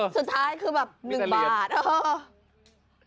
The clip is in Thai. สุดท้ายคือแบบหนึ่งบาท